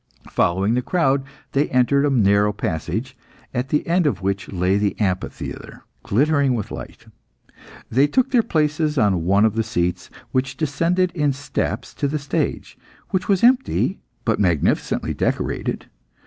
Following the crowd, they entered a narrow passage, at the end of which lay the amphitheatre, glittering with light. They took their places on one of the seats, which descended in steps to the stage, which was empty but magnificently decorated.